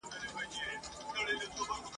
زه به مي ولي لا توبه پر شونډو ګرځومه ..